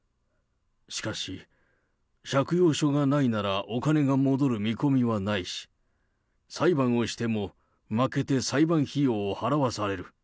しかし、借用書がないならお金が戻る見込みはないし、裁判をしても負けて裁判費用を払わされる。